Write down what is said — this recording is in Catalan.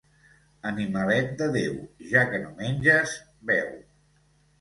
Animalet de Déu, ja que no menges, beu.